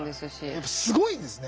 やっぱすごいですね。